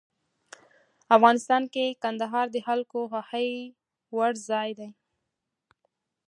افغانستان کې کندهار د خلکو د خوښې وړ ځای دی.